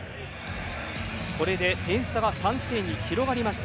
これで点差が３点に広がりました。